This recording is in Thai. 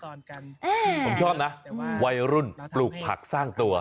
ผมชอบนะวัยรุ่นปลูกผักสร้างตัว